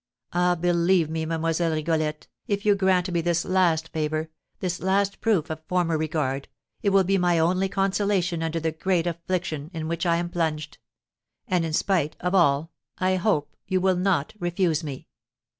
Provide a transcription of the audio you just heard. Ah, believe me, Mlle. Rigolette, if you grant me this last favour, this last proof of former regard, it will be my only consolation under the great affliction in which I am plunged; and, in spite of all, I hope you will not refuse me.